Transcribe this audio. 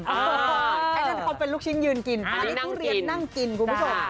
อันนั้นเขาเป็นลูกชิ้นยืนกินอันนี้ทุเรียนนั่งกินคุณผู้ชม